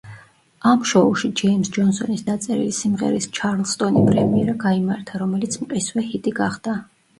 ამ შოუში ჯეიმზ ჯონსონის დაწერილი სიმღერის „ჩარლსტონი“ პრემიერა გაიმართა, რომელიც მყისვე ჰიტი გახდა.